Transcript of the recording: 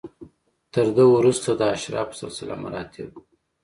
تر ده وروسته د اشرافو سلسله مراتب و.